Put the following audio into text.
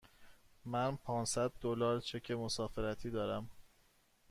من پانصد دلار چک مسافرتی دارم.